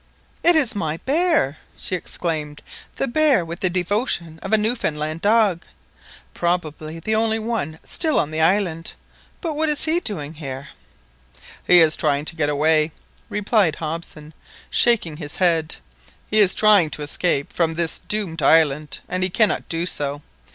"It is my bear!" she exclaimed, "the bear with the devotion of a Newfoundland dog! Probably the only one still on the island. But what is he doing here?" "He is trying to get away," replied Hobson, shaking his head. "He is trying to escape from this doomed island, and he cannot do so!